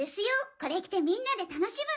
これ着てみんなで楽しむの。